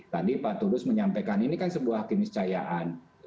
tadi pak tulus menyampaikan ini kan sebuah kiniis cayaan